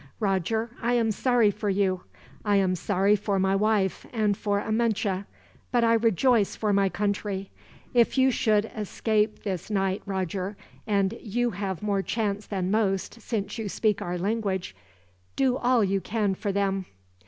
"Roger, I am sorry for you, I am sorry for my wife, and for Amenche; but I rejoice for my country. If you should escape this night, Roger and you have more chance than most, since you speak our language do all you can for them."